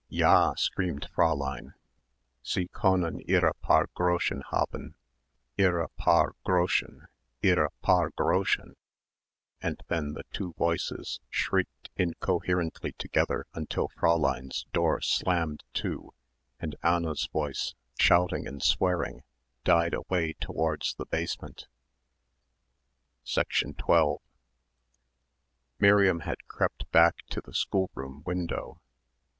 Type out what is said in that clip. "Ja," screamed Fräulein "Sie können ihre paar Groschen haben! Ihre paar Groschen! Ihre paar Groschen!" and then the two voices shrieked incoherently together until Fräulein's door slammed to and Anna's voice, shouting and swearing, died away towards the basement. 12 Miriam had crept back to the schoolroom window.